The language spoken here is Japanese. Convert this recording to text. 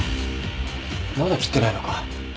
まだ切ってないのか。